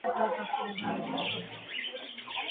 ისინი ამის შემდეგ ყოველ აღდგომას აქ ხვდებოდნენ.